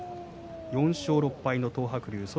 ４勝６敗の東白龍